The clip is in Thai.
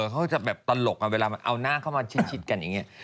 เขาก็จะแบบตลกเวลามันเอาหน้าเข้ามาชิดกันอย่างนี้